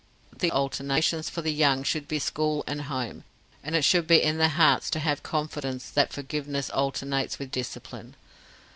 The alternations for the young should be school and home: and it should be in their hearts to have confidence that forgiveness alternates with discipline.